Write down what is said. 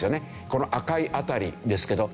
この赤い辺りですけど。